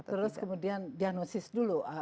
terus kemudian diagnosis dulu